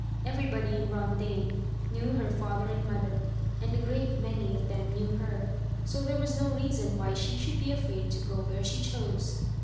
Everybody in Rondaine knew her father and mother, and a great many of them knew her, so there was no reason why she should be afraid to go where she chose.